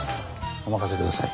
お任せください。